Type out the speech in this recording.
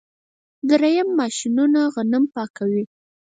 دریم ماشینونه غنم پاکوي.